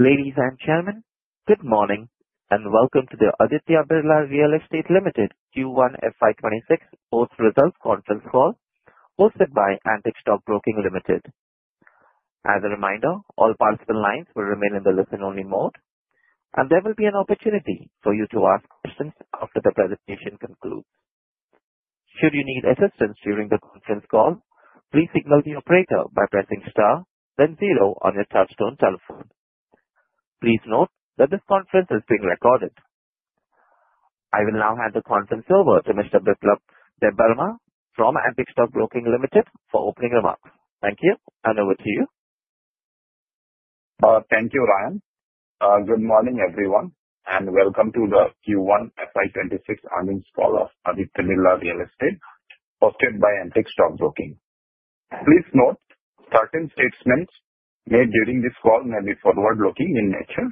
Ladies and gentlemen, good morning and welcome to the Aditya Birla Real Estate Ltd Q1 FY26 Post Results Conference Call hosted by Antique Stock Broking Limited. As a reminder, all participant lines will remain in the listen-only mode and there will be an opportunity for you to ask questions after the presentation concludes. Should you need assistance during the conference call, please signal the operator by pressing star then zero on your touch-tone telephone. Please note that this conference is being recorded. I will now hand the conference over to Mr. Debbarma from Antique Stock Broking Limited for opening remarks. Thank you, and over to you. Thank you, Ryan. Good morning everyone and welcome to the Q1 FY26 Earnings Call of Aditya Birla Real Estate hosted by Antique Stock Broking. Please note certain statements made during this call may be forward-looking in nature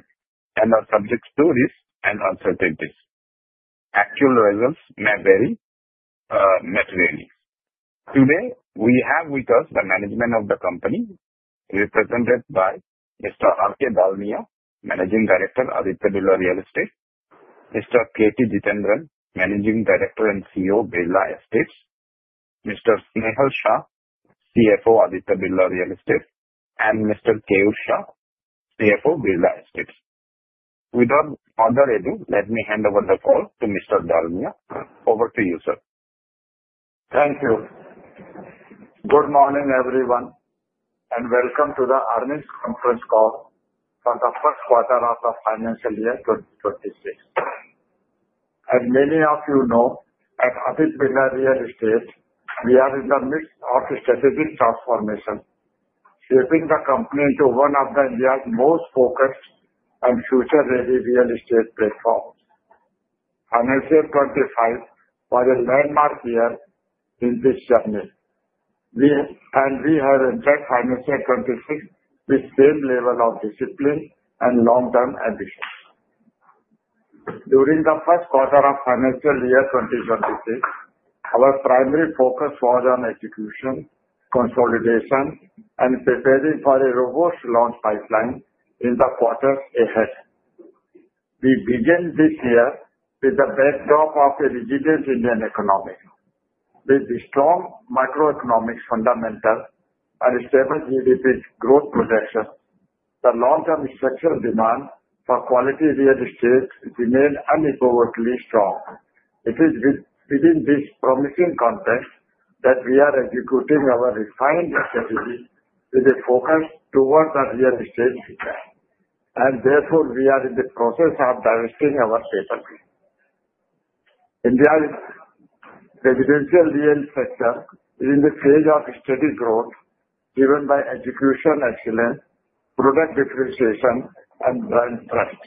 and are subject to risks and uncertainties. Actual results may vary materially. Today we have with us the management of the company represented by Mr. R. K. Dalmia, Managing Director, Aditya Birla Real Estate Ltd, Mr. K. T. Jithendran, Managing Director and CEO, Birla Estates, Mr. Snehal Shah, CFO, Aditya Birla Real Estate Ltd, and Mr. Keyur Shah, CFO, Birla Estates. Without further ado, let me hand over the call to Mr. Dalmia. Over to you, sir. Thank you. Good morning everyone and welcome to the earnings conference call for the first quarter of the financial year 2026. As many of you know, at Aditya Birla Real Estate we are in the midst of strategic transformation shaping the company into one of India's most focused and future-ready real estate platforms. Financial 2025 was a landmark year in this journey and we have entered financial 2026 with the same level of discipline and long-term ambitions. During the first quarter of financial year 2026, our primary focus was on execution, consolidation, and preparing for a robust launch pipeline in the quarters ahead. We begin this year with the backdrop of a resilient Indian economy. With the strong macroeconomic fundamentals and stable GDP growth projection, the long-term structural demand for quality real estate remains unequivocally strong. It is within this promising context that we are executing our refined strategy with a focus towards our real estate sector and therefore we are in the process of divesting our sales. India's residential real estate sector is in the phase of steady growth driven by execution, excellence, product differentiation, and brand trust.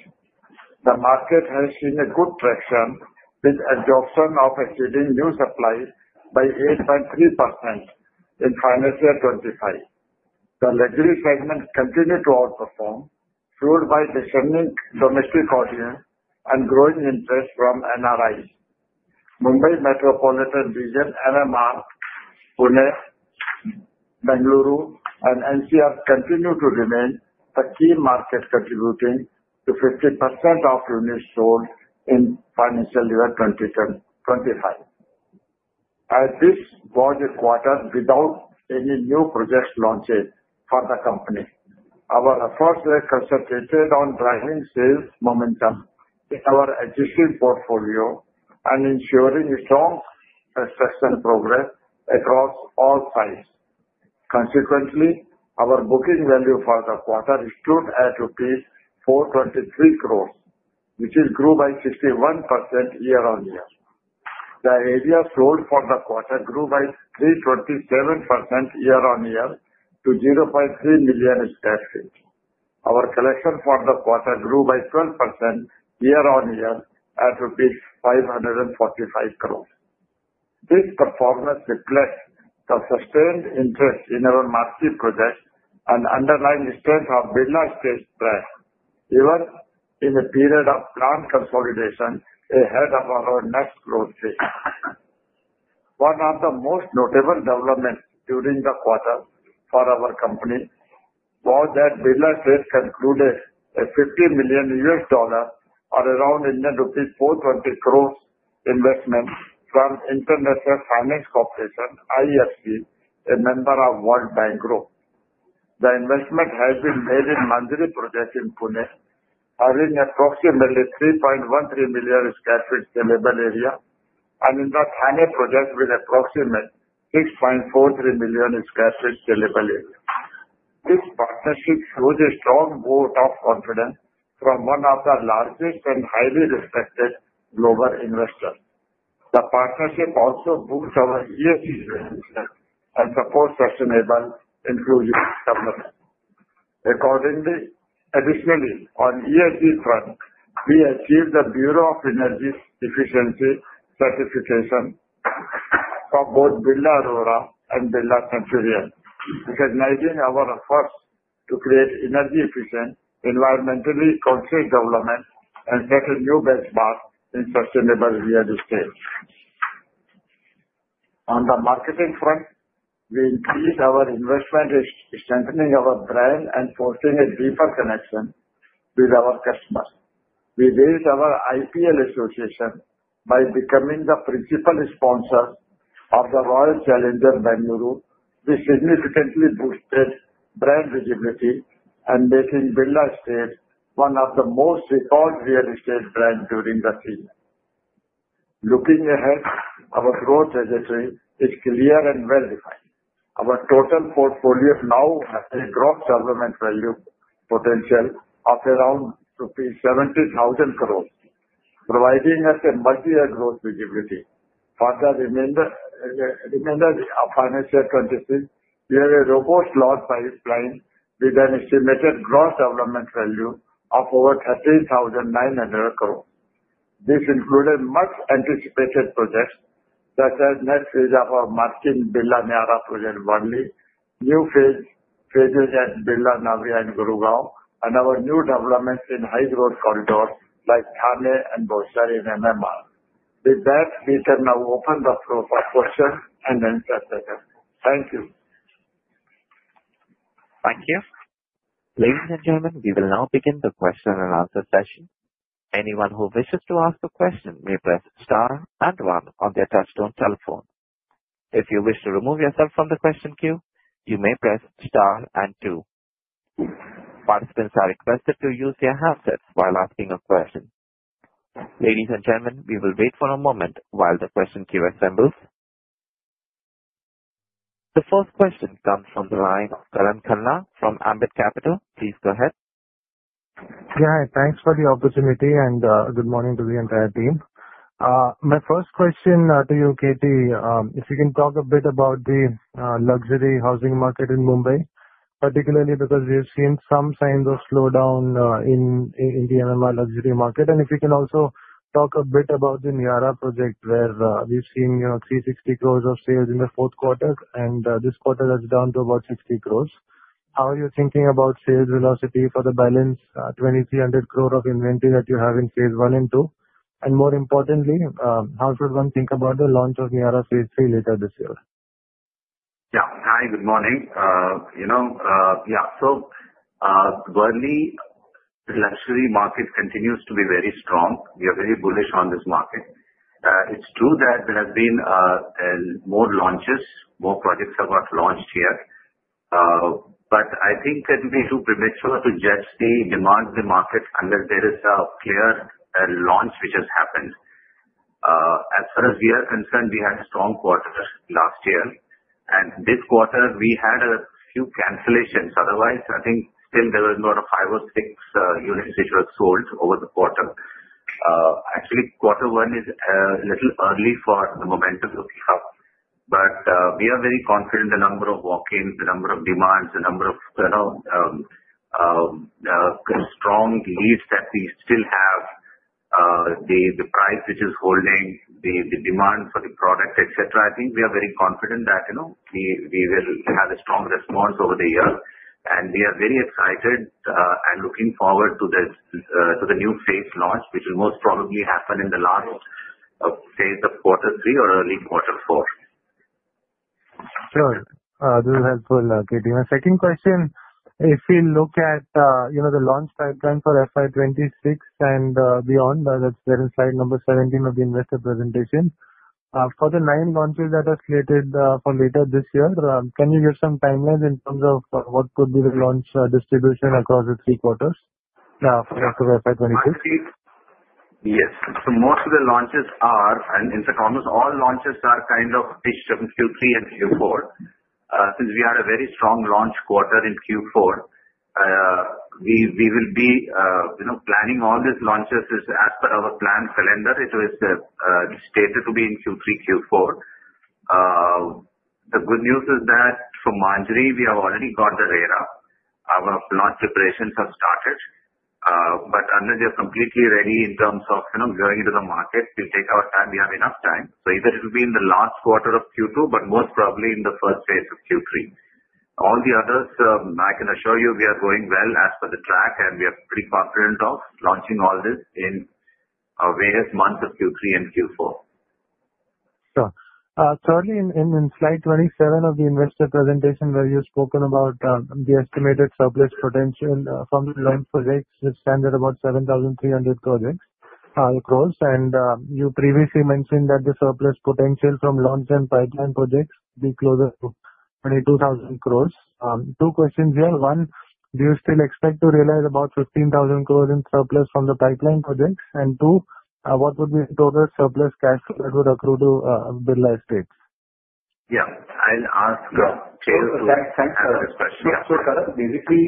The market has seen a good traction with absorption of exceeding new supply by 8.3%. In financial 2025, the luxury segment continued to outperform fueled by discerning domestic audience and growing interest from NRIs. Mumbai Metropolitan Region, Pune, Bengaluru, and NCR continue to remain a key market contributing to 50% of units sold in financial year 2025. As this was a quarter without any new project launches for the company, our efforts were concentrated on driving sales momentum in our existing portfolio and ensuring strong construction progress across all sites. Consequently, our booking value for the quarter stood at rupees 423 crores, which grew by 51% year on year. The area sold for the quarter grew by 327% year-on-year to 0.3 million sq ft. Our collection for the quarter grew by 12% year-on-year at rupees 545 crores. This performance reflects the sustained interest in our marquee project and underlying strength of Birla Estates brand even in a period of planned consolidation ahead of our next growth phase. One of the most notable developments during the quarter for our company was that Birla Estates concluded a $50 million, or around INR 420 crores, investment from International Finance Corporation, a member of World Bank Group. The investment has been made in Manjri project in Pune having approximately 3.13 million sq ft in the urban area and in the Thane project with approximately 6.43 million in saleable area. This partnership shows a strong vote of confidence from one of the largest and highly respected global investors. The partnership also boosts our ESG and supports sustainable inclusion summary accordingly. Additionally, on ESG front we achieved the Bureau of Energy Efficiency Certification for both Birla Aurora and Birla Centurion, recognizing our efforts to create energy efficient, environmentally concrete development and set a new benchmark in sustainable real estate. On the marketing front, we increased our investment in strengthening our brand and forging a deeper connection with our customers. We raised our IPL association by becoming the principal sponsor of the Royal Challengers Bengaluru, which significantly boosted brand visibility and making Birla Estates one of the most important real estate brands during the season. Looking ahead, our growth trajectory is clear and well-defined. Our total portfolio now has a gross government value potential of around 70,000 crore, providing us multi-year growth visibility for the remainder of the financial condition. We have a robust launch pipeline with an estimated gross development value of over 30,900 crore. This includes much-anticipated projects such as next phases of our Birla Niara project, new phases at Birla Navya in Gurugram, and our new developments in high-growth corridors like Thane and Boisar in MMR. With that, we can now open the floor for the question and answer session. Thank you. Thank you. Ladies and gentlemen, we will now begin the question and answer session. Anyone who wishes to ask a question may press star and one on their touch-tone telephone. If you wish to remove yourself from the question queue, you may press star and two. Participants are requested to use their handsets while asking a question. Ladies and gentlemen, we will wait for a moment while the question queue assembles. The first question comes from the line of Karan Khanna from Ambit Capital. Please go ahead. Thanks for the opportunity and good morning to the entire team. My first question to you, K. T. If you can talk a bit about the luxury housing market in Mumbai, particularly because we've seen some signs of slowdown in the MMR luxury market. If you can also talk a bit about the Niara project where we've seen 360 crore of sales in the fourth quarter and this quarter that's down to about 60 crore. How are you thinking about sales velocity for the balance 2,300 crore of inventory that you have in phase I and II? More importantly, how should one think about the launch of Niara phase III later this year? Yeah. Hi, good morning. Yeah, so Birla luxury market continues to be very strong. We are very bullish on this market. It's true that there have been more launches, more projects have got launched here. I think that will be too premature to judge the demand in the market unless there is a clear launch which has happened. As far as we are concerned, we had a strong quarter last year and this quarter we had a few cancellations. Otherwise, I think still there was about five or six units which were sold over the quarter. Actually, quarter one is a little early for the momentum looking up. We are very confident the number of walk-ins, the number of demands, the number of strong leads that we still have, the price which is holding, the demand for the product, etc. I think we are very confident that we will have a strong response over the year and we are very excited and looking forward to the new phase launch which will most probably happen in the last, the quarter three or early quarter four. Sure, this is helpful. K. T. Jithendran, my second question, if we look at, you know, the launch timeline for FY 2026 and beyond, that's there in slide number 17 of the investor presentation for the nine launches that are slated for later this year. Can you give some timelines in terms of what could be the launch distribution across the three quarters? Yes. So most of the launches are, and in the commercial, all launches are kind of pitched from Q3 and Q4. Since we had a very strong launch quarter in Q4, we will be planning all these launches as per our planned calendar. It was stated to be in Q3, Q4. The good news is that for Manjri, we have already got the RERA. Our launch preparations have started. Unless you're completely ready in terms of going into the market, we'll take our time. We have enough time. Either it will be in the last quarter of Q2, but most probably in the first phase of Q3. All the others, I can assure you, we are going well as per the track and we are pretty confident of launching all this in various months of Q3 and Q4. Thirdly, in slide 27 of the investor presentation where you've spoken about the estimated surplus potential from the loan for projects which stands at about 7,300 crores across. You previously mentioned that the surplus potential from launch and pipeline projects would be closer to 22,000 crores. Two questions here. One, do you still expect to realize about 15,000 crores in surplus from the pipeline projects? Two, what would be total surplus cash flow that would accrue to Birla Estates? Yeah, I'll ask. Thanks. Basically,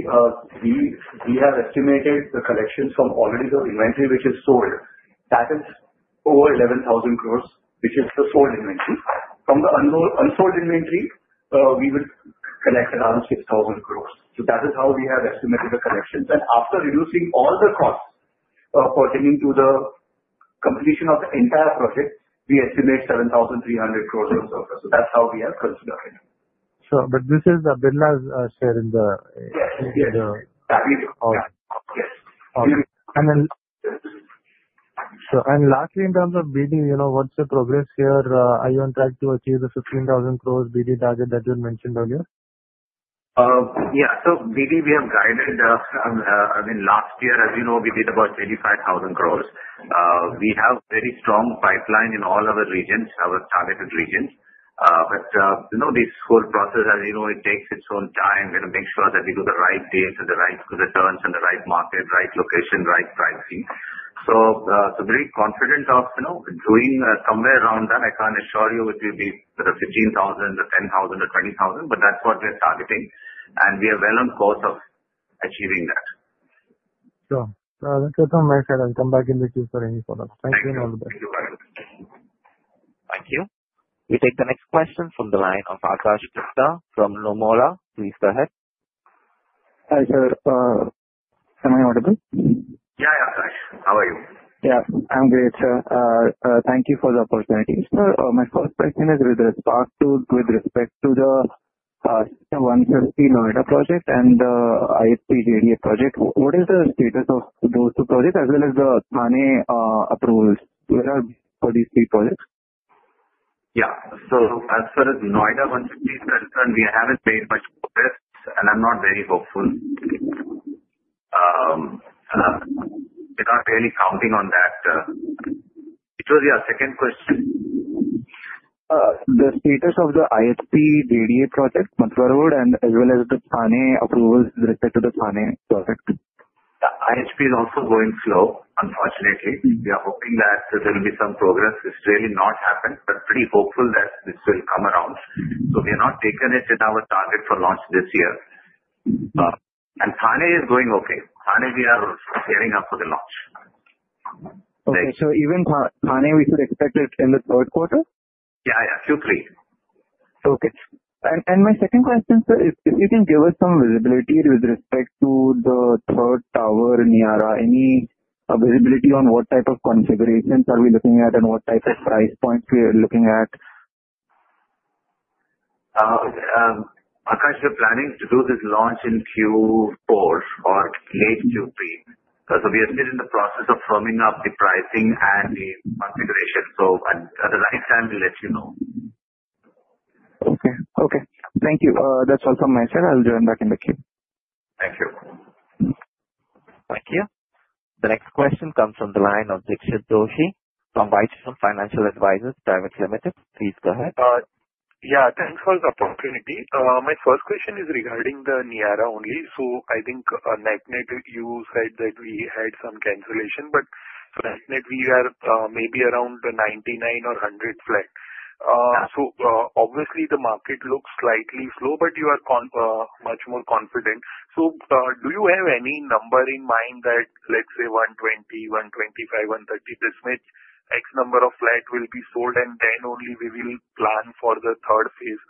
we have estimated the collections from all inventory which is sold, that is over 11,000 crores, which is the sold inventory. From the unsold inventory, we will collect around 6,000 crores. That is how we have estimated the collections. After reducing all the costs pertaining to the completion of the entire project, we estimate 7,300 crores. That's how we have considered it. This is Birla's share in the. Lastly, in terms of BD, you know, what's the progress here? Are you on track to achieve the 15,000 crores BD target that you mentioned earlier? Yeah. So BD, we have guided. I mean, last year as you know we did about 25,000 crores. We have a very strong pipeline in all our regions, our targeted regions. This whole process takes its own time to make sure that we do the right deals and the right returns and the right market, right looks, pricing. Very confident of doing somewhere around that. I can't assure you it will be the 15,000 or 10,000 or 20,000, but that's what we're targeting and we are well on course of achieving that. Sure. I'll come back in the queue for any follow-ups. Thank you. We take the next question from the line of Akash Gupta from Lomora. Please go ahead. Hi sir. Am I audible? Yeah. How are you? Yeah, I'm great sir. Thank you for the opportunity. Sir, my first question is with respect to the Sector 150 Noida project and IFP JDA project. What is the status of those two projects as well as the Thane approvals for these three projects? Yeah. As far as Noida 150 is concerned, we haven't made much and I'm not very hopeful. We're not really counting on that. What was your second question? The status of the IFP JDA project and as well as the Thane approvals with respect to the Thane project. IFP is also going slow. Unfortunately, we are hoping that there will be some progress. It's really not happened, but pretty hopeful that this will come around. We are not taking it in our target for launch this year. Thane, we are gearing up for the launch, so even Thane we should expect it in the third quarter. Yeah, Q3. Okay. My second question, sir, if you can give us some visibility with respect to the third tower Niara, any availability on what type of configurations are we looking at and what type of price points we are looking at? Akash, we're planning to do this launch in Q4 or late Q3. We are still in the process of firming up the pricing and the configuration. At the right time, we'll let you know. Okay. Thank you. That's all from my side. I'll join back in the queue. Thank you. The next question comes from the line of Dixit Doshi from WhiteStone Financial Advisors Pvt Ltd. Please go ahead. Yeah. Thanks for the opportunity. My first question is regarding the Niara only. I think net, net, you said that we had some cancellation but we are maybe around 99 or 100 flat. Obviously, the market looks slightly slow, but you are much more confident. Do you have any number in mind that say 120, 125, 130. This much X number of flight will be sold and then only we will plan for the third phase.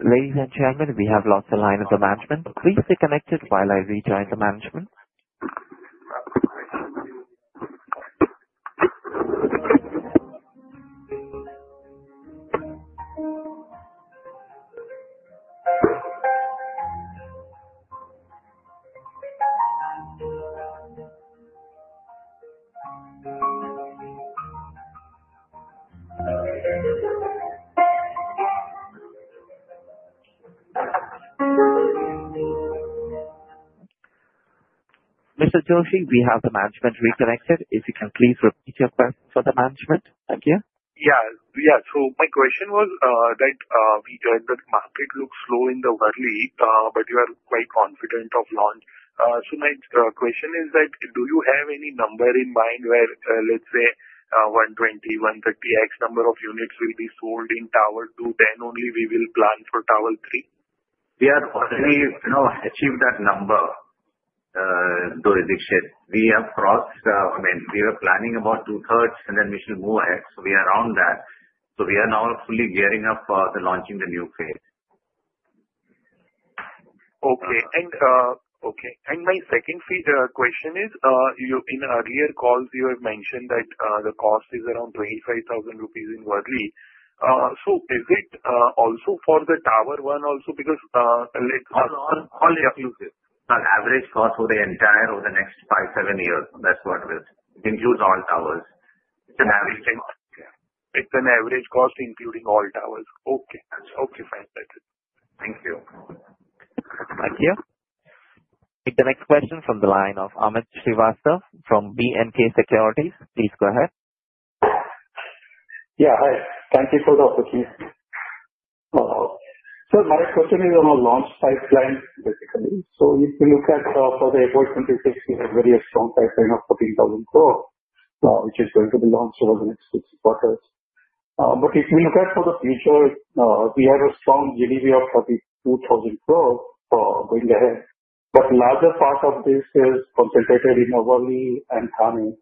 Ladies and gentlemen, we have lost the line of the management. Please stay connected while I rejoin the management. Mr. Doshi, we have the management reconnected. If you can please repeat your question for the management again. Yeah, yeah. My question was that we heard that market looks slow in the world but you are quite confident of launch. My question is that do you have any number in mind where let's say 121, 130 X number of units will be sold in Tower 2. Then only we will plan for Tower 3. We are already now achieved that number. We have crossed. I mean we were planning about 2/3 and then we shall move ahead. We are around that. We are now fully gearing up launching the new phase. Okay. My second question is in earlier calls you have mentioned that the cost is around 25,000 rupees in Worli. Is it also for the Tower 1 also because all exclusive average cost for the entire over the next five, seven years. That's what it includes. All towers. It's an average cost including all towers. Okay. Okay, fine. Thank you. Thank you. The next question from the line of Amit Srivastava from B&K Securities. Please go ahead. Yeah. Hi. Thank you for the opportunity. sir, my question is on a launch pipeline. Basically if you look at for the FY 26 we have very strong pipeline of 14,000 crore which is going to be launched over the next six quarters. If we look at for the future we have a strong GDV of 32,000 crore for going ahead. Larger part of this is concentrated in Worli and coming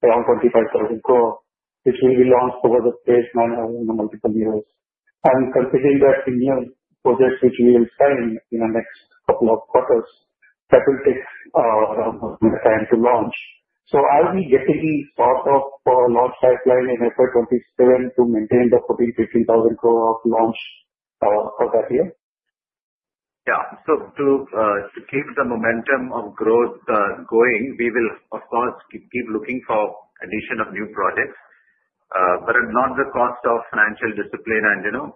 around INR 45,000 crore which will be launched over the phased manner in multiple years. Considering that the new project which we will sign in the next couple of quarters that will take time to launch. Are we getting these part of launch pipeline in FY 27 to maintain the 14,000-15,000 crore of launch for that year? Yeah. To keep the momentum of growth going we will of course keep looking for addition of new projects but not at the cost of financial discipline and you know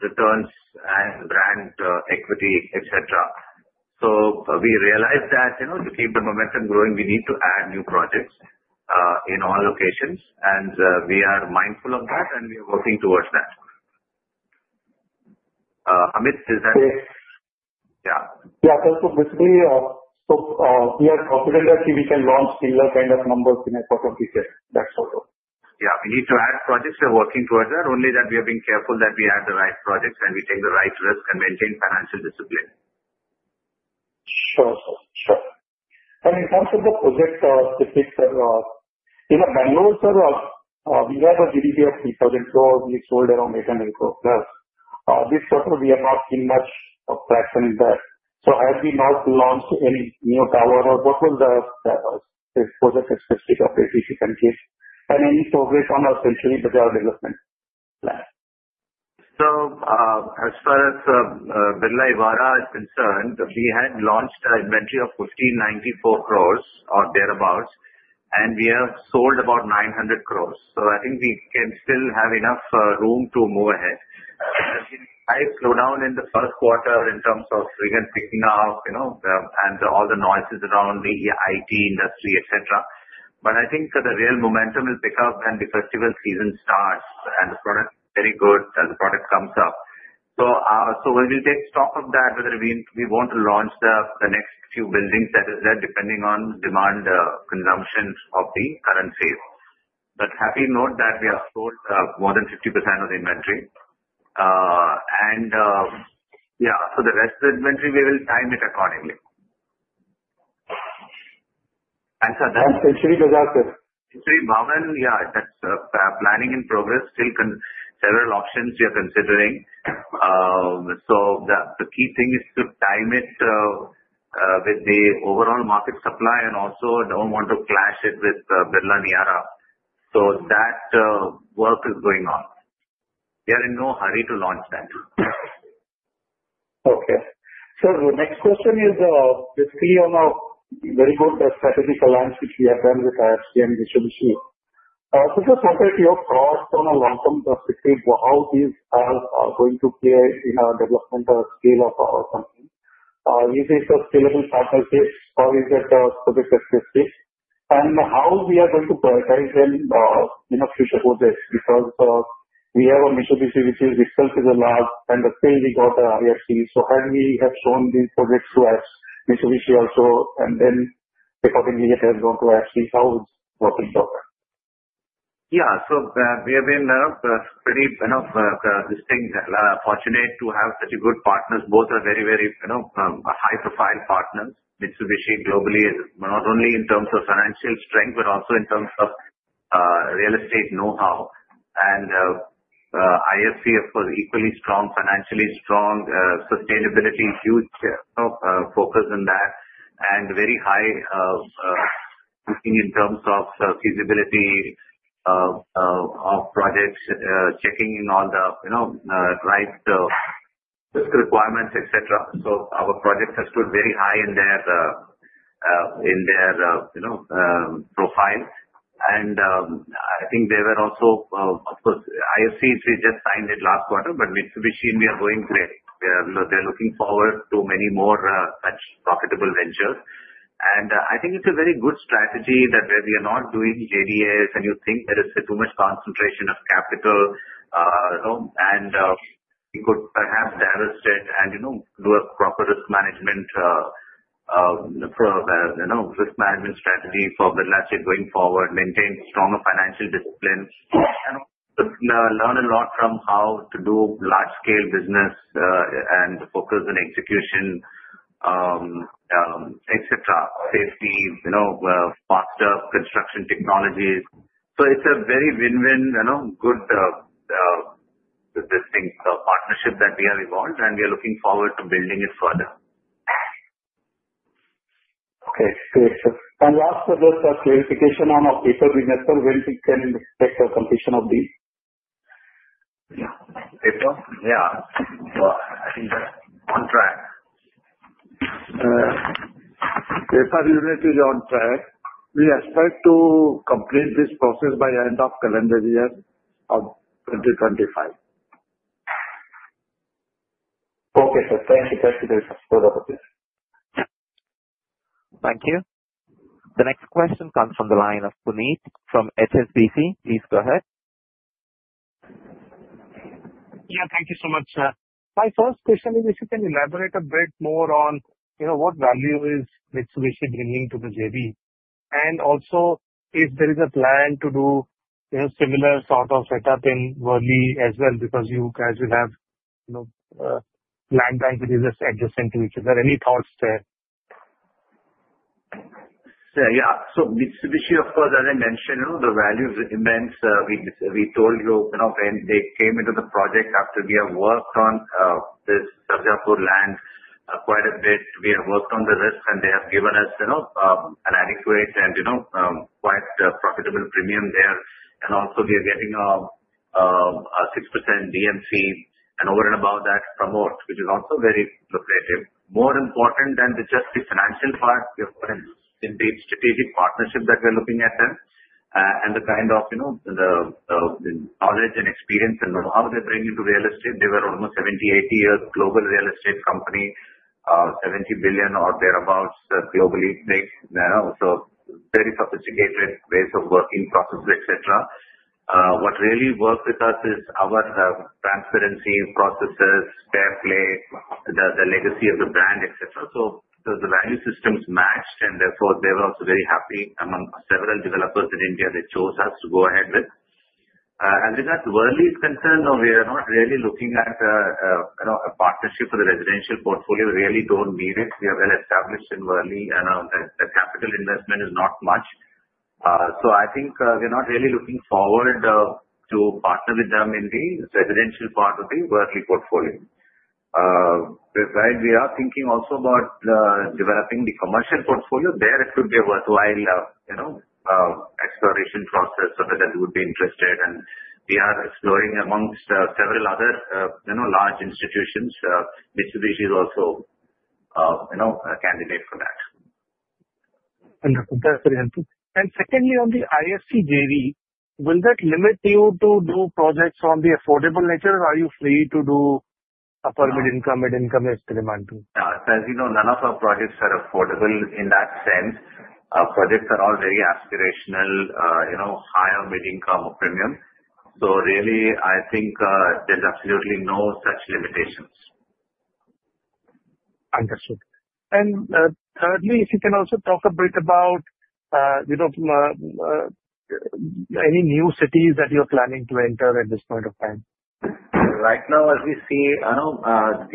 returns and brand equity etc. We realized that to keep the momentum growing we need to add new projects in all locations. We are mindful of that and we are working towards that. Amit, is that. Yeah. Yeah. Basically we are confident that we can launch similar kind of numbers in a quarterly set. That's all. We need to add projects. We're working towards that. Only that we have been careful that we add the right projects and we take the right risk and maintain financial discipline. Sure, sure. In terms of the project specific in Bengaluru, sir, we have a GDV of INR 3,000 crore. We sold around 800 crore this quarter. We have not seen much, as we have not launched any more tower or what was the current and any progress on our Century Bazaar development plan. As far as Birla Evara is concerned, we had launched inventory of 1,594 crore or thereabouts and we have sold about 900 crore, so I think we still have enough room to move ahead. There was a slowdown in the first quarter in terms of rig and picking up and all the noises around the IT industry, etc. I think the real momentum will pick up when the festival season starts and the product is very good as the product comes up. We will take stock of that, whether we want to launch the next few buildings that are there, depending on demand, consumption of the currencies. Happy to note that we have sold more than 50% of the inventory, and the rest of the inventory we will time accordingly. Sir, that's good. That's planning in progress. Still several options we are considering. The key thing is to time it with the overall market supply and also don't want to clash it with Birla Niara. That work is going on. We are in no hurry to launch that. Okay, next question is basically on a very good strategic alliance which we have done with International Finance Corporation and Vishal Shiv. From a long-term perspective, how are these going to play in our development or scale of our company? Is this a scalable partnership, or is it, and how are we going to prioritize them in a future project? Because we have Mitsubishi, which itself is large, and still we got International Finance Corporation. So have we shown these projects to Mitsubishi also, and then accordingly it has gone to International Finance Corporation? How is it working for that? We have been pretty distinct, fortunate to have such good partners. Both are very, very high-profile partners. Mitsubishi Estate Company globally, not only in terms of financial strength but also in terms of real estate know-how, and International Finance Corporation, of course, equally strong, financially strong, sustainability, huge focus in that, and very high in terms of feasibility of projects, checking in on the right requirements, etc. Our projects have stood very high in their profile, and I think they were also, of course, International Finance Corporation, we just signed it last quarter, but Mitsubishi Estate Company and we are going great. They are looking forward to many more such profitable ventures, and I think it's a very good strategy that we are not doing JDAs. You think there is too much concentration of capital, and we could perhaps diversify it and do a proper risk management strategy for bilateral going forward. Maintain stronger financial discipline and learn a lot from how to do large-scale business and focus on execution, etc. Safety, faster construction technologies. It's a very win-win, good, distinct partnership that we have evolved, and we are looking forward to building it further. Okay, great. Last, just a clarification on the paper business, when can we expect a completion of these paper? Yeah, unit is on track. We expect to complete this process by end of calendar year 2025. Okay, sir, thank you, thank you. The next question comes from the line of Puneet from HSBC, please go ahead. Yeah, thank you so much, sir. My first question is if you can elaborate a bit more on what value is Mitsubishi bringing to the JV and also if there is a plan to do a similar sort of setup in Worli as well because you guys will have land bank which is adjacent to each other. Any thoughts there? Yeah, so Mitsubishi, of course, as I mentioned, the value is immense. We told you when they came into the project after we have worked on this land quite a bit, we have worked on the risk, and they have given us an adequate and quite profitable premium there. Also, we are getting a 6% DMC, and over and above that, promote, which is also very lucrative. More important than just the financial part in the strategic partnership that we're looking at them and the kind of knowledge and experience and how they bring into real estate. They were almost 70, 80 years global real estate company, $70 billion or thereabouts, globally big, so very sophisticated ways of working, processes, etc. What really worked with us is our transparency, processes, fair play, the legacy of the brand, etc. The value systems matched, and therefore they were also very happy. Among several developers in India, they chose us to go ahead with, and with that, Worli's concern, we are not really looking at a partnership for the residential portfolio. We really don't need it, well established in Worli, and the capital investment is not much, so I think we're not really looking forward to partner with them in the residential part of the Worli portfolio. We are thinking also about developing the commercial portfolio there. It could be a worthwhile exploration process so that they would be interested and we are exploring amongst several other large institutions, Mitsubishi is also a candidate for that. That's very helpful. Secondly, on the IFC JV, will that limit you to do projects on the affordable nature? Are you free to do upper mid income? Mid income experimental? As you know, none of our projects are affordable in that sense. Projects are all very aspirational, you know, higher mid income or premium. I think there's absolutely no such limitations. Understood. Thirdly, if you can also talk a bit about, you know, any new cities that you're planning to enter at this point of time. Right now as we see,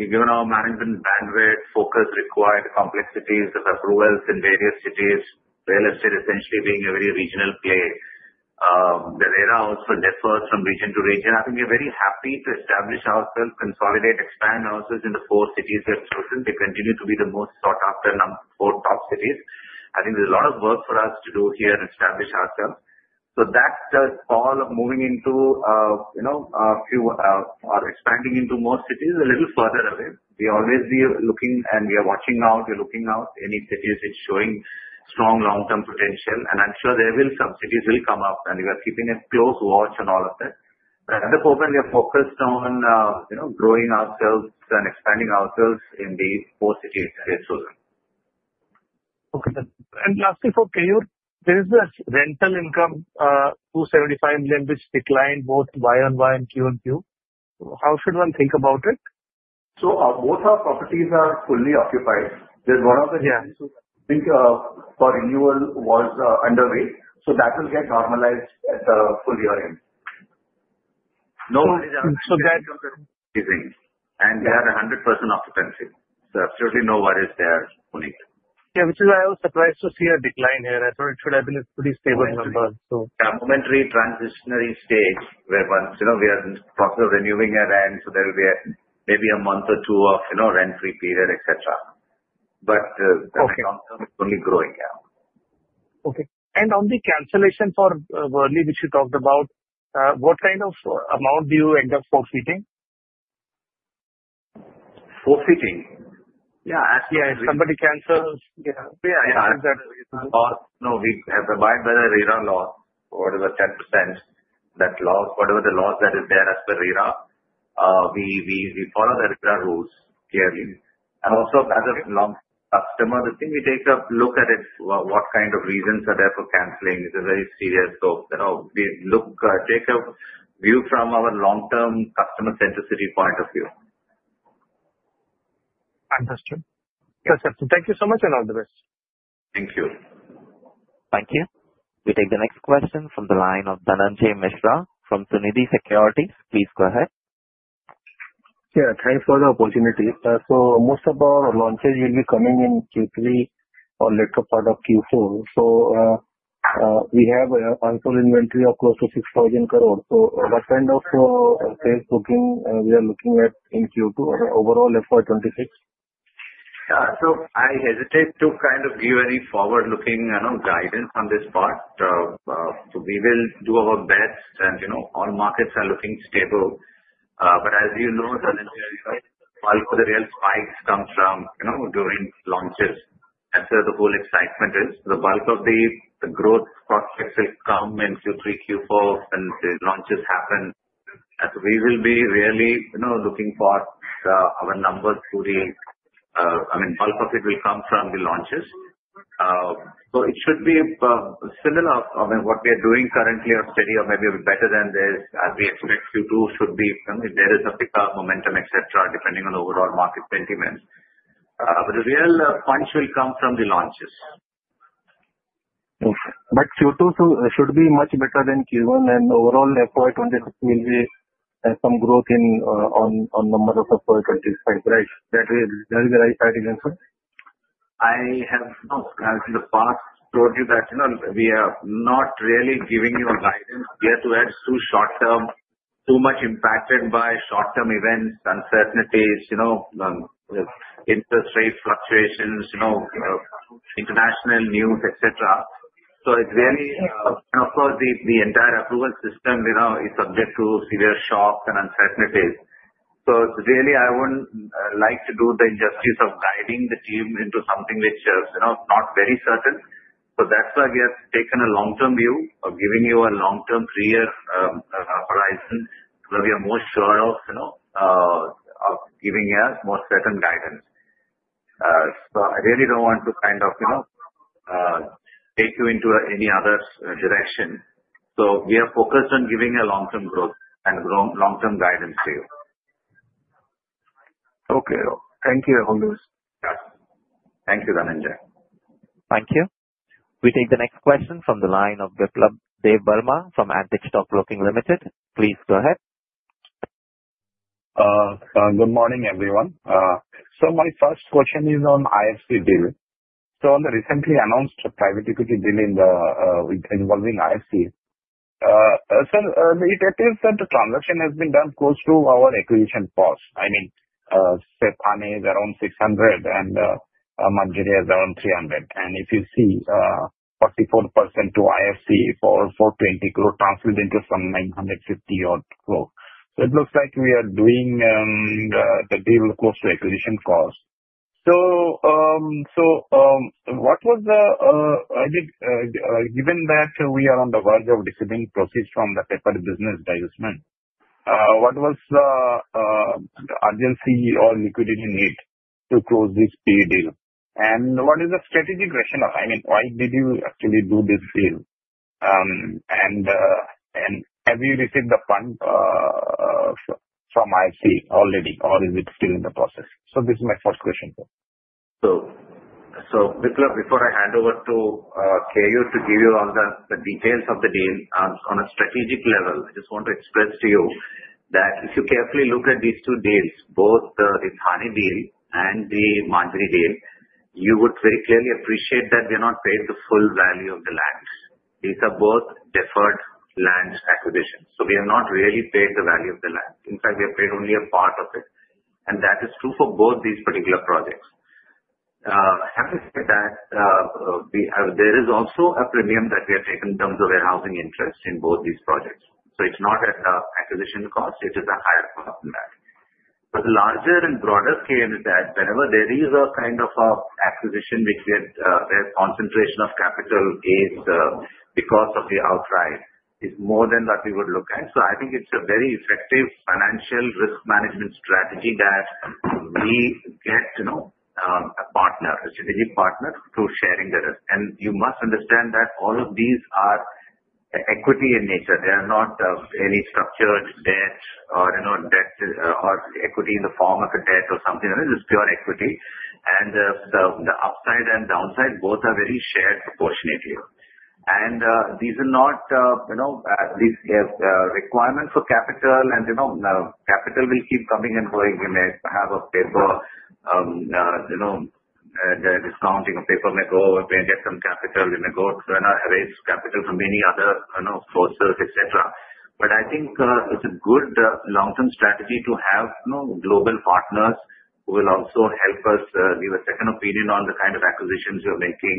given our management bandwidth, focus required, complexities of approvals in various cities, real estate essentially being a very regional play, the wrappers from region to region, I think we're very happy to establish ourselves, consolidate, expand, expand ourselves into four cities that are chosen. They continue to be the most sought after, number four top cities. I think there's a lot of work for us to do here and establish ourselves so that moving into, you know, fewer or expanding into more cities is a little further away. We always are looking and we are watching out, we're looking out any cities that are showing strong long term potential and I'm sure there will be some cities that will come up and we are keeping a close watch on all of that. At the moment we are focused on growing ourselves and expanding ourselves in the four cities. Lastly, for Keyur, there is a rental income 275 million which declined both YoY and QoQ. How should one think about it? Both our properties are fully occupied. There's one of the renewal was underway. That will get normalized at the full year end. No, so that and they are 100% occupancy. Absolutely no worries there. Yeah, which is why I was surprised to see a decline here. I thought it should have been a pretty stable number. A momentary transitionary stage where once, you know, we are in process of renewing a rent so there will be maybe a month or two of, you know, rent free period etc. Only growing. Okay. On the cancellation for Worli which you talked about, what kind of amount do you end up forfeiting? Forfeiting? Yeah, yeah. If somebody cancels. No, we have abided by the RERA, whatever 10% that law, whatever the loss that is there as per RERA, we follow the RERA rules clearly. Also, as a long-term customer, the thing we take a look at is what kind of reasons are there for canceling. It's very serious. We take a view from our long-term customer centricity point of view. Understood. Thank you so much and all the best. Thank you. Thank you. We take the next question from the line of Dhananjay Mishra from Sunidhi Securities. Please go ahead. Yeah, thanks for the opportunity. Most of our launches will be coming in Q3 or later part of Q4. We also have inventory of close to 6,000 crore. What kind of sales booking are we looking at in Q2 overall FY26? I hesitate to kind of give any forward-looking guidance on this part. We will do our best and all markets are looking stable. As you know, all the real spikes come during launches. That's where the whole excitement is. The bulk of the growth prospects will come in Q3, Q4 when the launches happen. We will be really looking for our numbers. I mean, bulk of it will come from the launches. It should be similar, I mean, what we are doing currently or steady or maybe better than this as we expect Q2 should be, there is a pickup momentum, etc., depending on overall market sentiment. The real punch will come from the launches. Q2 should be much better than Q1 and overall FY20 will be some growth in number over FY25. Right? That is the right guidance. I have in the past told you that we are not really giving you a guidance here, too short term, too much impacted by short-term events, uncertainties, interest rate fluctuations, international news, etc. The entire approval system is subject to severe shocks and uncertainties. I wouldn't like to do the injustice of guiding the team into something which is not very certain. That's why we have taken a long-term view of giving you a long-term three-year horizon where we are more sure of giving us more certain guidance. I really don't want to take you into any other direction, so we are focused on giving a long-term growth and long-term guidance to you. Okay, thank you. Thank you, Dhananjay. Thank you. We take the next question from the line of Debbarma from Antique Stock Broking Limited. Please go ahead. Good morning everyone. My first question is on IFC deal. On the recently announced private equity deal involving IFC, it appears that the transaction has been done close to our acquisition cost. I mean, it is around 600 crore and Manjri is around 300 crore, and if you see 44% to IFC for 420 crore, it translates into some 950 crore. It looks like we are doing the deal close to acquisition cost. What was the, given that we are on the verge of receiving cost proceeds from the paper business divestment, what was the urgency or liquidity need to close this PE deal and what is the strategic rationale? I mean, why did you actually do this deal, and have you received the fund from IFC already or is it still in the process? This is my first question. Before I hand over to KU to give you all the details of the deal on a strategic level, I just want to express to you that if you carefully look at these two deals, both the Ritzani deal and the Manjri deal, you would very clearly appreciate that we are not paid the full value of the land. These are both deferred land acquisitions, so we have not really paid the value of the land. In fact, we have paid only a part of it, and that is true for both these particular projects. Having said that, there is also a premium that we have taken in terms of warehousing income interest in both these projects, so it's not at acquisition cost. It is a higher cost than that, but the larger and broader scale is that whenever there is a kind of acquisition where the concentration of capital is because of the outright, it is more than what we would look at. I think it's a very effective financial risk management strategy that we get a partner, a strategic partner, through sharing the risk. You must understand that all of these are equity in nature. They are not any structured debt or debt or equity in the form of a debt or something. It is pure equity, and the upside and downside both are very shared proportionately. These are not requirements for capital, and capital will keep coming and going. If we have a paper, the discounting of paper may go and get some capital, we may go raise capital from many other sources, etc. I think it's a good long-term strategy to have global partners who will also help us give a second opinion on the kind of acquisitions you're making.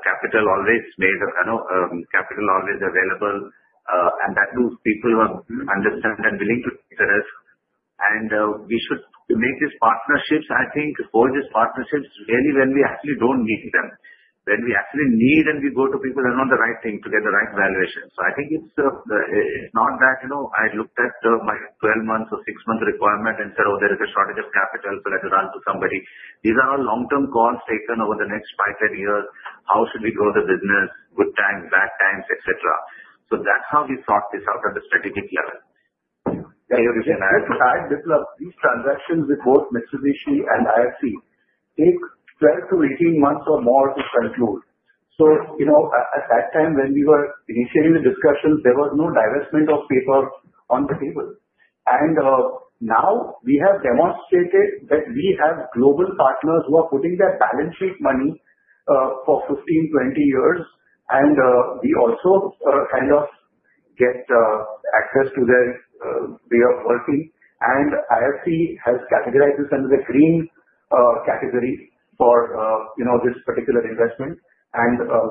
Capital always, capital always available. Those people who understand and are willing to, and we should make these partnerships, I think for these partnerships really when we actually don't need them, when we actually need and we go to people that are not the right thing to get the right valuation. I think it's not that, you know, I looked at my 12 months or six-month requirement and said, oh, there is a shortage of capital, so let it run to somebody. These are long term calls taken over the next five, 10 years. How should we grow the business? Good times, bad times, etc. That's how we sought this out at the strategic level. These transactions with both Mitsubishi Estate Company and International Finance Corporation take 12 to 18 months or more to conclude. At that time when we were initiating the discussions, there was no divestment of paper on the table. Now we have demonstrated that we have global partners who are putting their balance sheet money for 15, 20 years. We also kind of get access to their way of working, and International Finance Corporation has categorized this under the green category for this particular investment.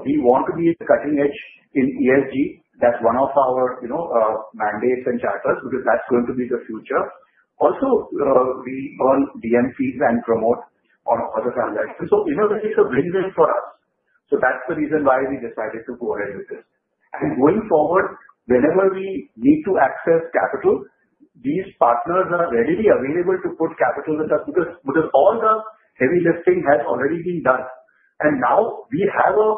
We want to be cutting edge in ESG. That's one of our mandates and charters because that's going to be the future. Also, we earn DM fees and promote, so innovation for us. That's the reason why we decided to go ahead with this, and going forward whenever we need to access capital, these partners are readily available to put capital with us because all the heavy lifting has already been done and now we have a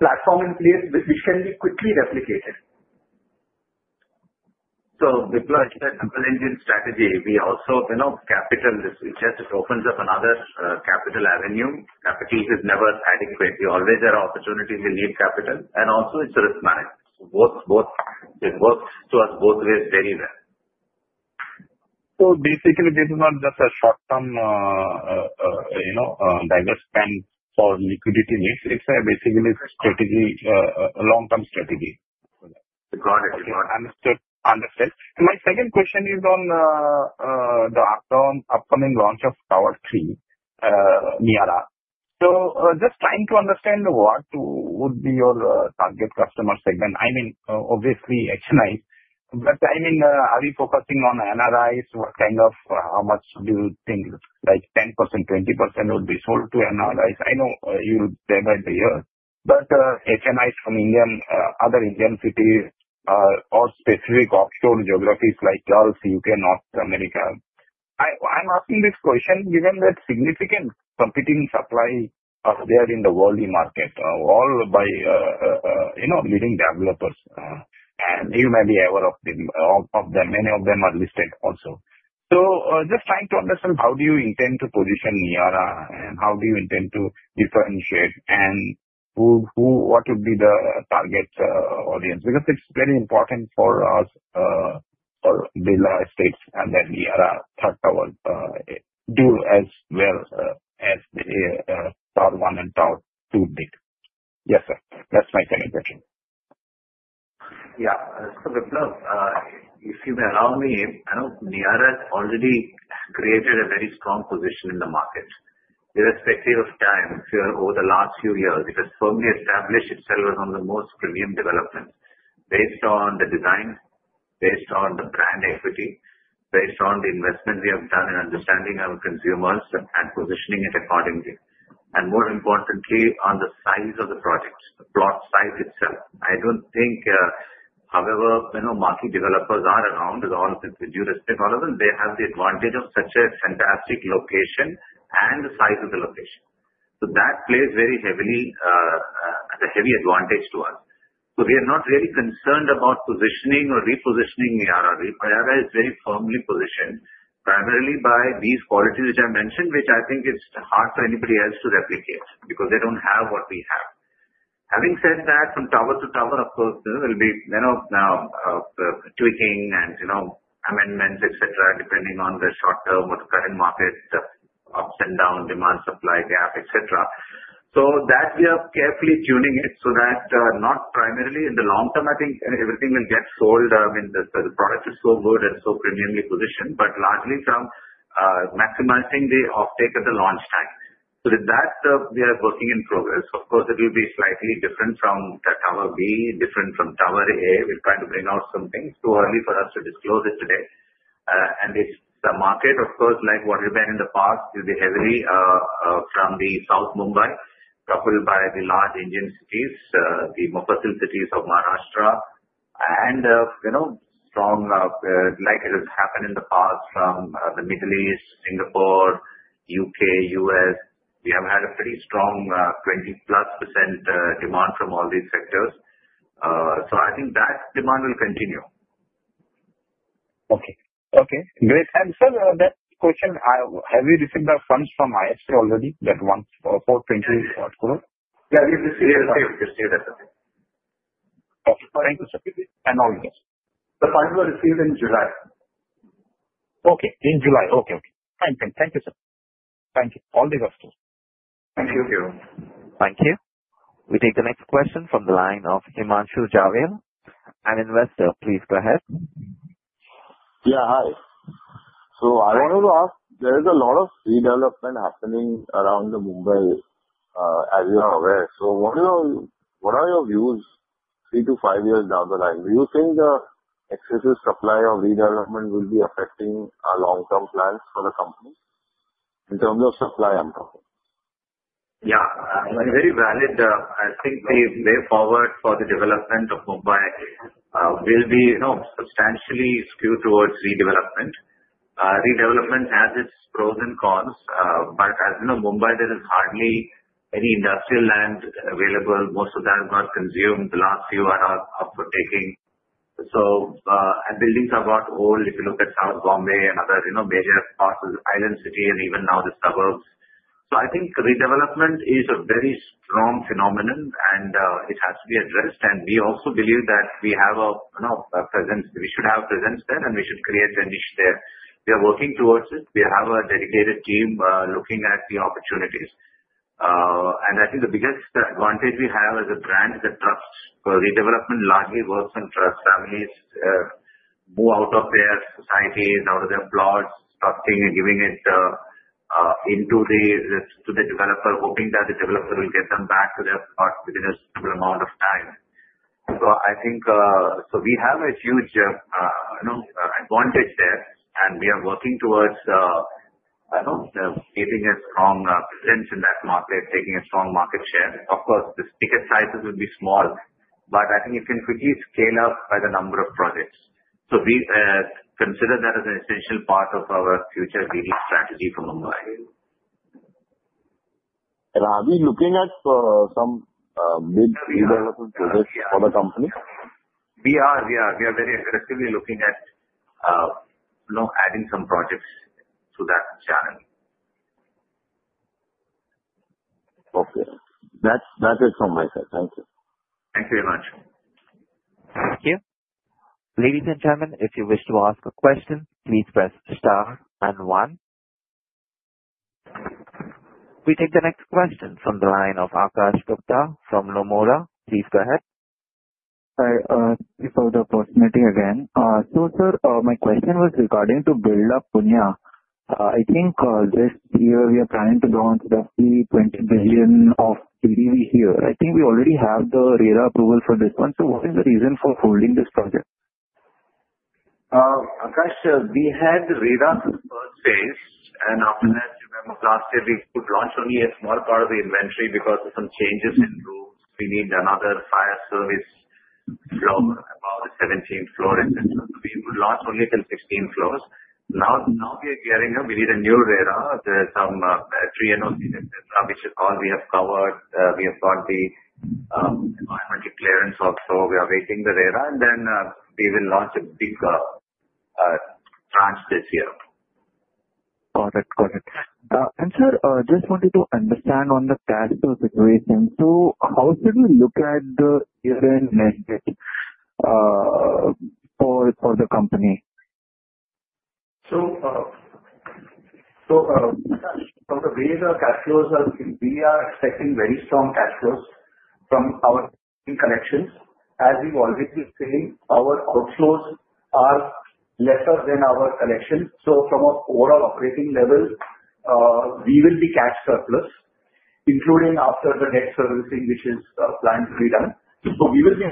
platform in place which can be quickly replicated. Vipula engine strategy. We also capital just opens up another capital avenue. Revenue caprice is never adequately. Always there are opportunities. You need capital and also it's risk management. It works to us both ways very well. Basically, this is not just a short term, you know, divestment for liquidity mix. It's basically strategy, a long term strategy. Understood. Understood. My second question is on the upcoming launch of Tower 3. Just trying to understand what would be your target customer segment. I mean obviously HNI, but I mean are you focusing on NRIs? What kind of, how much do you think, like 10%, 20% would be sold to analysis. I know you divide the year, but HNIs from Indian, other Indian cities or specific offshore geographies like yours, U.K., North America. I'm asking this question given that significant competing supply are there in the Worli market all by, you know, leading developers and you may be aware of them, many of them are listed also. Just trying to understand how do you intend to position Niara and how do you intend to differentiate and who, who, what would be the target audience? Because it's very important for the Birla Estates and then Niara third tower do as well as Tower 1 and Tower 2 did. Yes sir. That's my second question. Yeah. If you may allow me. I know Niara already created a very strong position in the market irrespective of time. Over the last few years it has firmly established itself as one of the most premium developments based on the design, based on the brand equity, based on the investment we have done in understanding our consumers and positioning it accordingly. More importantly, on the size of the project, the plot size itself. I don't think, however, market developers, with due respect, all of them, they have the advantage of such a fantastic location and the size of the location. That plays a heavy advantage to us. We are not really concerned about positioning or repositioning Niara. Niara is very firmly positioned primarily by these qualities which I mentioned, which I think it's hard for anybody else to replicate because they don't have what we have. Having said that, from tower to tower, of course there will be tweaking and amendments, etc., depending on the short term or the current market, ups and down demand, supply gap, etc. We are carefully tuning it so that, not primarily in the long term, I think everything will get sold. The product is so good and so premiumly positioned, but largely from maximizing the offtake at the launch time. With that, we are working in progress. Of course, it will be slightly different from Tower B, different from Tower A. We're trying to bring out some things, too early for us to disclose it today. This market, like what we've been in the past, will be heavily from the South Mumbai, coupled by the large Indian cities, the Mukasul cities of Maharashtra and, you know, strong like it has happened in the past from the Middle East, Singapore, UK, US. We have had a pretty strong 20+% demand from all these sectors. I think that demand will continue. Okay, okay, great. Answer that question. Have you received the funds from IFC already? That one, the funds were received in July. Okay. In July. Okay. Okay, fine. Thank you, sir. Thank you. All the rest, thank you. Thank you. We take the next question from the line of Himanshu Javel, an investor. Please go ahead. Yeah, hi. I wanted to ask, there is a lot of redevelopment happening around Mumbai as you are aware. What are your views three to five years down the line? Do you think the excessive supply of redevelopment will be affecting our long-term plans for the company? In terms of supply, I'm talking. Yeah, very valid. I think the way forward for the development of Mumbai will be substantially skewed towards redevelopment. Redevelopment has its pros and cons. As you know, Mumbai, there is hardly any industrial land available. Most of that got consumed. The last few are for taking. Buildings have got old. If you look at South Bombay and other major parts of the island city and even now the suburbs. I think redevelopment is a very strong phenomenon and it has to be addressed. We also believe that we have a, we should have presence there and we should create a niche there. We are working towards it. We have a dedicated team looking at the opportunities. I think the biggest advantage we have as a brand is the trust. Redevelopment largely works on trust. Families move out of their societies, out of their plots, trusting and giving it into the developer, hoping that the developer will get them back to their within a single amount of time. We have a huge advantage there. We are working towards building a strong presence in that market, taking a strong market share. Of course, the ticket sizes will be small. I think it can quickly scale up by the number of projects. We consider that as an essential part of our future leading strategy for Mumbai. Are we looking at some big redevelopment projects for the company? We are. We are very aggressively looking at adding some projects to that channel. Okay, that's it from my side. Thank you. Thank you very much. Thank you. Ladies and gentlemen, if you wish to ask a question, please press star and 1. We take the next question from the line of Akash Gupta from Lomora. Please go ahead Thank you for the opportunity again. So sir, my question was regarding Birla Punya. I think this year we are planning to launch roughly 20 billion of GDV here. I think we already have the RERA approval for this one. What is the reason for holding this project? Akash, we had the RERA for the first phase. After that, remember last year we could launch only a small part of the inventory because of some changes in rooms. We need another fire service floor above the 17th floor, etc. We launched only till 16 floors. Now we are gearing up. We need a new RERA. There's some three, no, which is all we have covered. We have brought the clearance also. We are waiting the RERA. We will launch a big branch this year. Got it. Got it. Sir, just wanted to understand on the cash flow situation. How should we look at the year-end market for the company? From the way the cash flows are, we are expecting very strong cash flows from our collections. As we've already been saying, our outflows are lesser than our collection. From an overall operating level, we will be cash surplus, including after the debt servicing which is planned to be done. We will be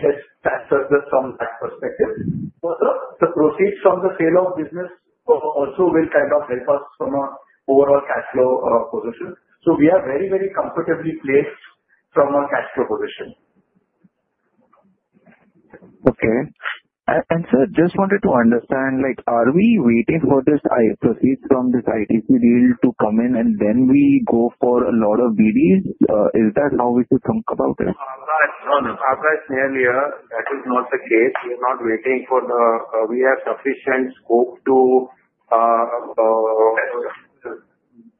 cash surplus. From that perspective, the proceeds from the sale of business also will kind of help us from our overall cash flow position. We are very, very comfortably placed from our cash flow position. Okay. Sir, just wanted to understand, are we waiting for the proceeds from this ITC deal to come in and then we go for a lot of BDs? Is that how we should think about it earlier? That is not the case. We are not waiting for the, we have sufficient scope to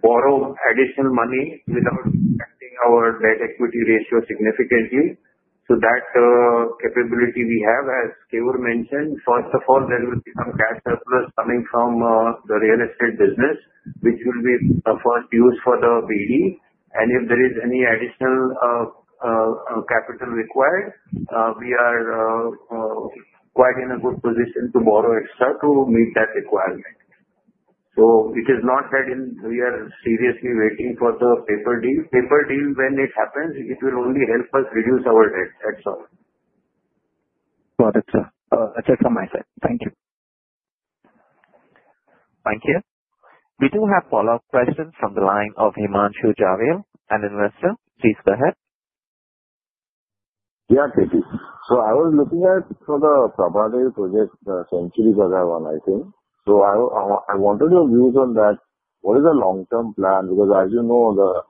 borrow additional money without our debt equity ratio significantly. That capability we have. As Keyur mentioned, first of all, there will be some cash surplus coming from the real estate business which will be the first use for the BD, and if there is any additional capital required, we are quite in a good position to borrow extra to meet that requirement. It is not that we are seriously waiting for the paper deal. When it happens, it will only help us reduce our debt. Sir, that's it from my side. Thank you. Thank you. We do have follow up questions from the line of Himanshu Javel, an investor. Please go ahead. Yeah, so I was looking at for the Prabhade Project Century Bagha 1, I think. I wanted your views on that. What is the long-term plan? As you know, the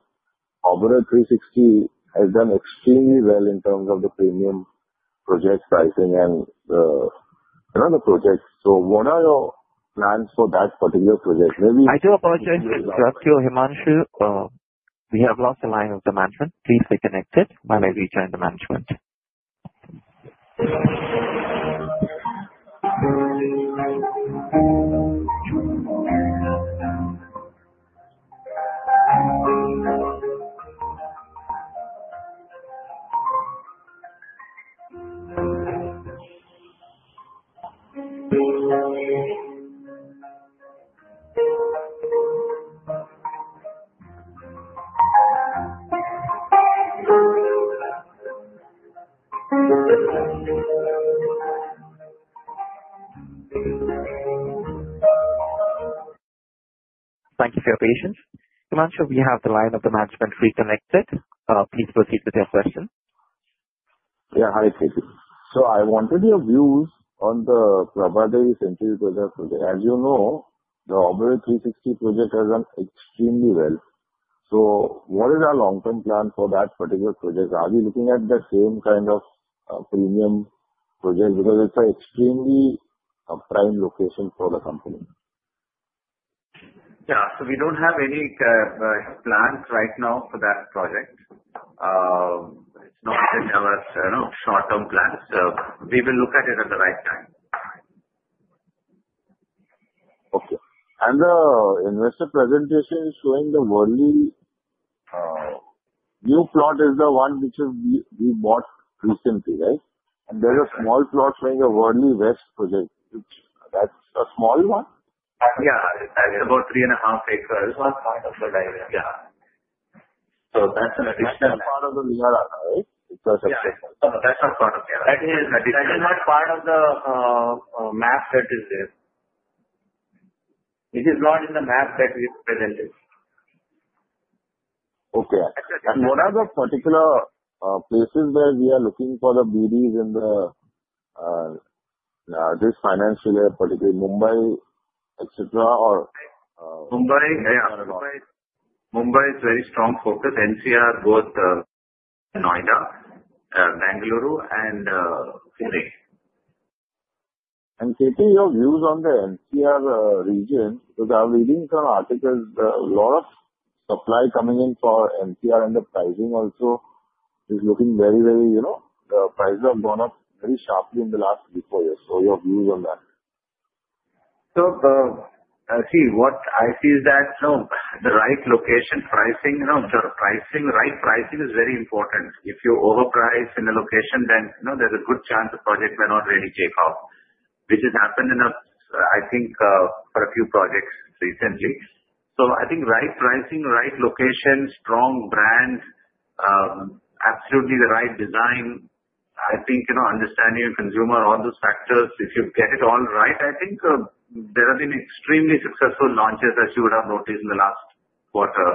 Oberoi 360 has done extremely well in terms of the premium project sizing and another project. What are your plans for that particular project? Maybe I do apologize. We have lost the line of the management. Please stay connected while I rejoin the management. Thank you for your patience, Himanshu. We have the line of the management reconnected. Please proceed with your question. Yeah, hi. I wanted your views on the Prabhadari Central project. As you know, the operate 360 project has done extremely well. What is our long-term plan for that particular project? Are we looking at the same kind of premium project? It's an extremely prime location for the company. Yeah. We don't have any plans right now for that project. It's not in our short-term plans. We will look at it at the right time. Okay. The investor presentation is showing the Worli new plot is the one which we bought recently, right? There's a small plot showing a Worli West project, which—that's a small one. Yeah. That's about three and a half acres or part of the diagram. Yeah. That's an additional part of the—part of the map that is there. It is not in the map that we presented. Okay. What are the particular places where we are looking for the BD in this financial year, particularly Mumbai, etc., or Mumbai? Mumbai is a very strong focus, NCR, both Noida, Bengaluru, and KP. Your views on the NCR region? I'm reading some articles, a lot of supply coming in for NCR, and the pricing also is looking very, very—you know, the prices have gone up very sharply in the last— What I see is that the right location, pricing—pricing, right—pricing is very important. If you overprice in a location, then there's a good chance the project may not really take off, which has happened, I think, for a few projects recently. I think right pricing, right location, strong brands, strong—absolutely—the right design, understanding consumer, all those factors, if you get it all right. There have been extremely successful launches, as you would have noticed in the last quarter,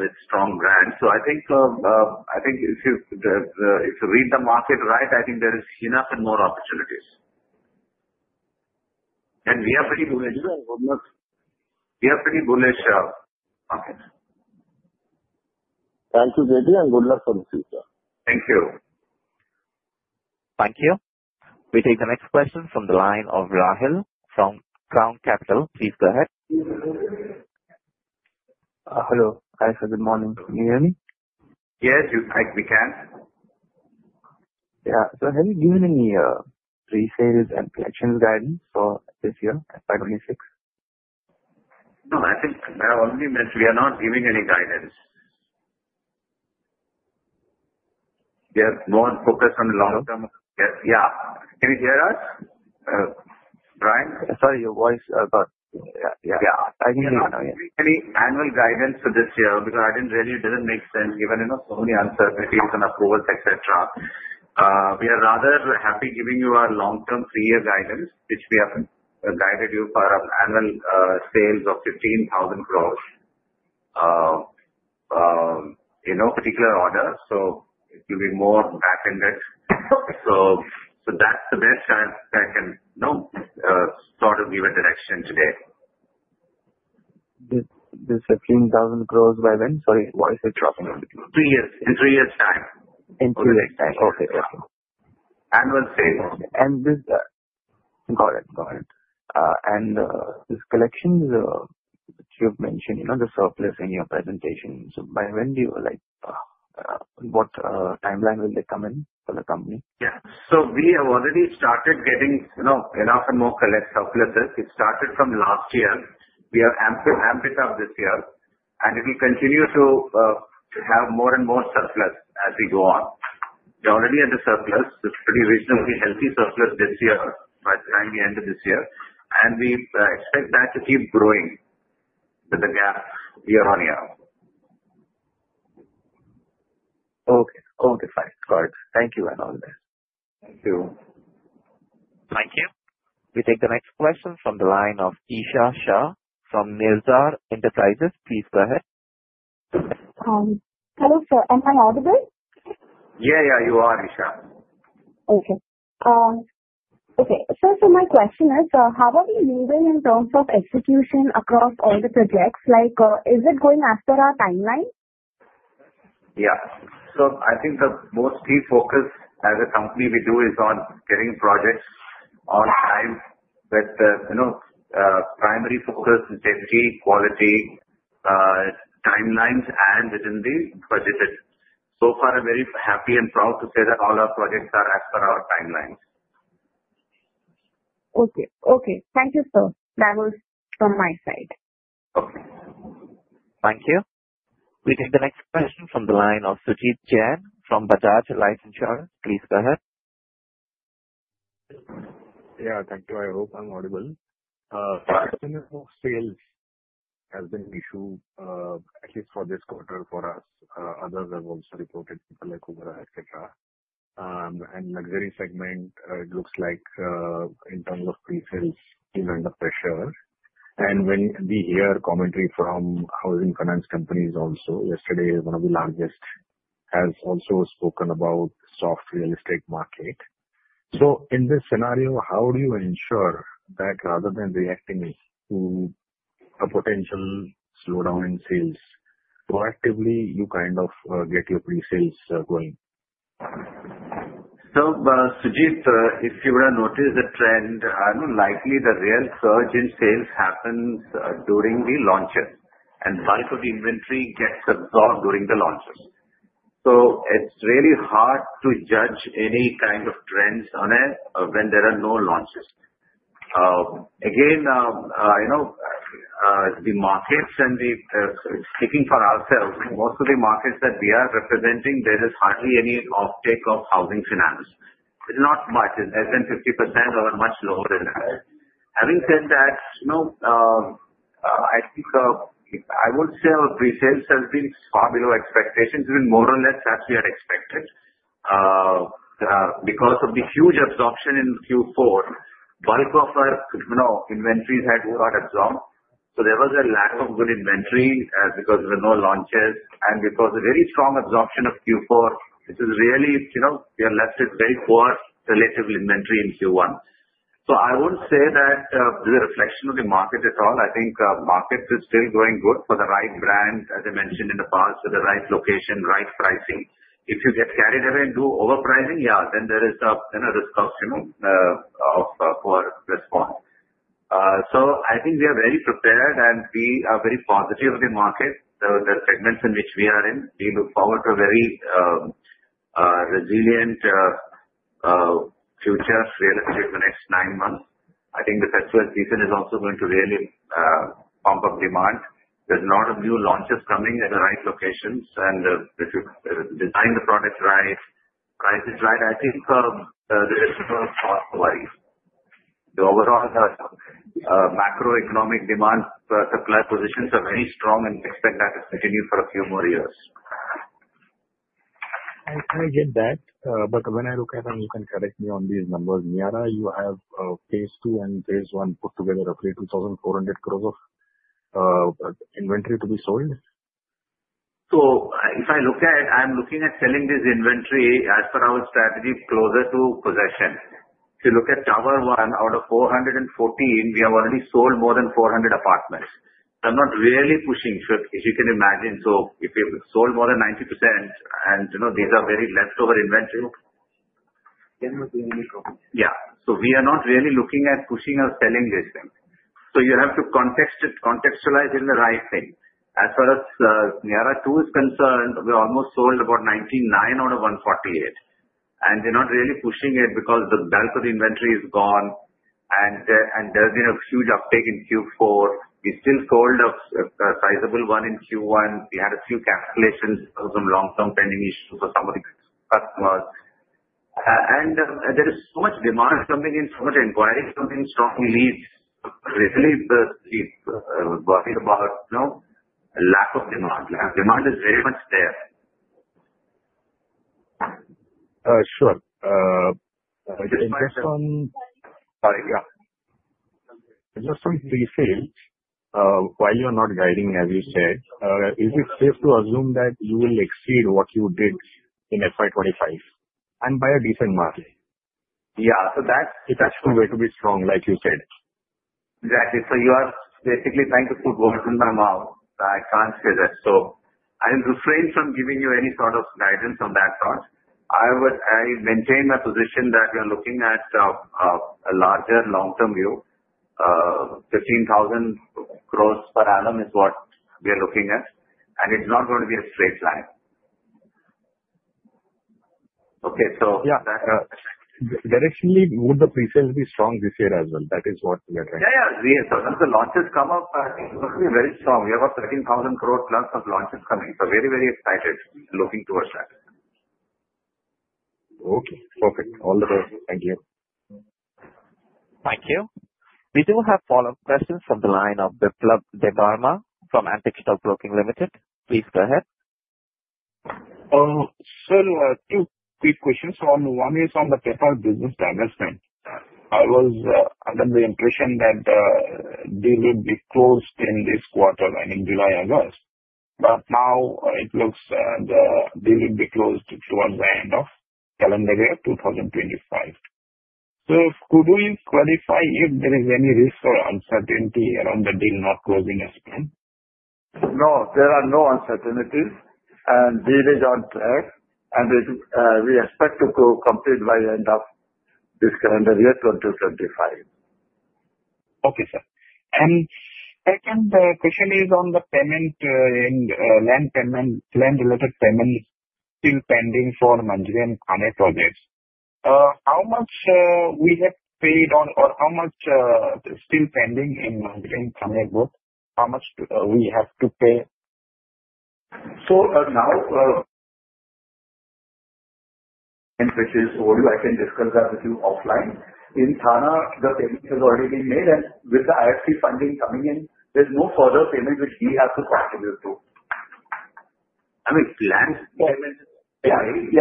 with strong brands. If you read the market right, there is enough and more opportunities, and we are pretty good. We are pretty bullish. Thank you, K. T., and good luck for the future. Thank you. Thank you. We take the next question from the line of Rahel from Crown Capital. Please go ahead. Hello, good morning, can you hear me? Yes, we can. Yeah. Have you given any pre-sales and collections guidance for this year, FY 2026? No, I think we are not giving any guidance. We are more focused on long-term. Yeah, can you hear us, Brian? Sorry, your voice. Any annual guidance for this year? Because it didn't really make sense given, you know, so many uncertainties and approvals, etc. We are rather happy giving you our long-term three-year guidance, which we have guided you for annual sales of 15,000 crore in no particular order. It will be more back-ended. That's the best I can sort of give a direction today. This 15,000 crore by then. Sorry, why is it dropping three years? In three years' time. In three years' time. Okay. Annual sale and this. Got it, got it. This collection which you've mentioned, you know, the surplus in your presentation. By when do you, like, what timeline will they come in for the company? Yeah, we have already started getting, you know, enough and more collective. It started from last year. We have amped it up this year and it will continue to have more and more surplus as we go on. We are already at the surplus. It's pretty reasonably healthy surplus this year by the time we end this year and we expect that to keep growing with the gap year on year. Okay. Okay, fine. Got it. Thank you and all that. Thank you. Thank you. We take the next question from the line of Isha Shah from Mirza Enterprises. Please go ahead. Hello, sir. Am I audible? Yeah, yeah, you are Isha. Okay. Okay. My question is how are we moving in terms of execution across all the projects? Is it going after our timeline? Yeah. I think the most key focus as a company we do is on getting projects on time. Primary focus is safety, quality, timelines, and within the budget so far. I'm very happy and proud to say that all our projects are as per our timelines. Okay. Okay. Thank you, sir. That was from my side. Okay, thank you. We take the next question from the line of Sujit Jain from Bajaj Life Insurance. Please go ahead. Yeah, thank you. I hope I'm audible. Sales has been an issue at least for this quarter for us. Others have also reported, people like Oberoi Realty, etc., and luxury segment it looks like in terms of pre-sales still under pressure and when we hear commentary from housing finance companies also, yesterday one of the largest has also spoken about soft real estate market. In this scenario, how do you ensure that rather than reacting to a potential slowdown in sales, proactively you kind of get your pre-sales going. Sujit, if you would have noticed the trend and likely the real surge in sales happens during the launches and bulk of the inventory gets absorbed during the launches. It's really hard to judge any kind of trends when there are no launches. Again, the markets, and speaking for ourselves, most of the markets that we are representing, there is hardly any of the housing finance. It's not much less than 50% or much lower than that. Having said that, I would say our pre-sales have been far below expectations, more or less as we had expected because of the huge absorption in Q4. Bulk of our inventories had got absorbed, so there was a lack of good inventory because there were no launches and because of very strong absorption of Q4. We are left with very poor relative inventory in Q1. I would say that is not the reflection of the market at all. I think the market is still going good for the right brand, as I mentioned in the past, at the right location, right pricing. If you get carried away and do overpricing, then there is cost for response. I think we are very prepared and we are very positive in the market. The segments in which we are in, we look forward to a very resilient future for real estate in the next nine months. I think the festival season is also going to really pump up demand. There's a lot of new launches coming at the right locations, and if you design the product right, prices right, I think there is worry. The overall macroeconomic demand-supply positions are very strong and expect that to continue for a few more years. I get that, but when I look at, and you can correct me on these numbers, Birla Niara, you have phase II and phase I put together, a free 2,400 crores of inventory to be sold. If I look at selling this inventory as per our strategy, closer to possession, if you look at Tower 1, out of 414, we have already sold more than 400 apartments. I'm not really pushing, if you can imagine. If you sold more than 90%, and you know these are very leftover inventory. We are not really looking at pushing or selling these things, so you have to contextualize in the right thing. As far as Birla Niara two is concerned, we almost sold about 99 out of 148, and they're not really pushing it because the bulk of the inventory is gone and there's been a huge uptake in Q4. We still sold a sizable one in Q1. We had a few calculations, some long-term pending issues for some of the customers, and there is so much demand coming in, so much inquiry coming in. Strong leads recently, worried about lack of demand. Demand is very much there. Sure. Just on pre sales, while you're not guiding as you said, is it safe to assume that you will exceed what you did in FY25 and by a decent margin? Yeah. So it's actually going to be strong like you said. Exactly. You are basically trying to put words in the mouth. I can't say that. I'll refrain from giving you any sort of guidance on that. Thought I would. I maintain my position that we are looking at a larger long term view. 15,000 crore per annum is what we are looking at and it's not going to be a straight line. Okay. Directionally, would the pre sales be strong this year as well? That is what the launches come up very strong. We have about 13,000 crore plus of launches coming. Very, very excited looking towards that. Okay, perfect all the way. Thank you. Thank you. We do have follow up questions from the line of Biplab Debbarma from Antique Stock Broking Limited. Please go ahead, sir. Two quick questions. One is on the paper business management. I was under the impression that deal would be closed in this quarter, I mean July, August, but now it looks the deal will be closed towards the end of calendar year 2025. Could you clarify if there is any risk or uncertainty around the deal not closing as planned? No, there are no uncertainties and deal is on track and we expect to complete by end of this calendar year 2025. Okay, sir. Second question is on the payment and land payment, land related payments still pending for Mandarin Khane projects. How much we have paid or how much still pending in Mandarin Khane book, how much we have to pay? So now, which is told you, I can discuss that with you offline in Thane. The payment has already been made and with the IFC funding coming in, there's no further payment which we have to contribute to. I mean planned payment. Yeah, we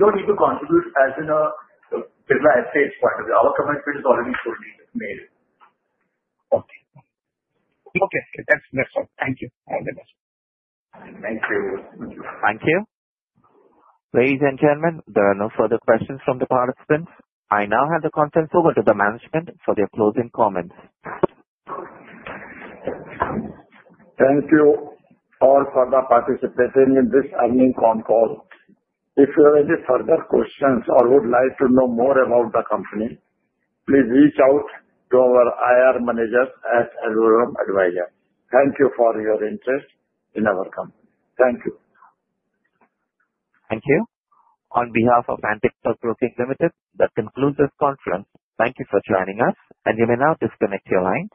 don't need to contribute. As in a Birla Estates point of view, our commitment is already fully. Okay, that's all. Thank you. Thank you. Thank you. Ladies and gentlemen, there are no further questions from the participants. I now have the conference over to the management for their closing comments. Thank you all for participating in this earnings phone call. If you have any further questions or would like to know more about the company, please reach out to our IR managers as alum advisor. Thank you for your interest in our company. Thank you. Thank you. On behalf of Antique Stock Broking Limited, that concludes this conference. Thank you for joining us. You may now disconnect your line.